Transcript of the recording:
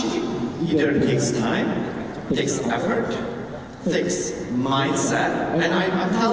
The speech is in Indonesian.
ini membutuhkan waktu membutuhkan usaha memperbaiki pikiran